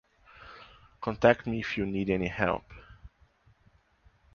Contact me if you need any help.